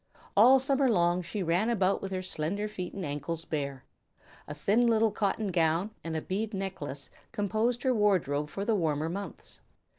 All summer long she ran about with her slender feet and ankles bare. A thin little cotton gown and a bead necklace composed her wardrobe for the warmer months.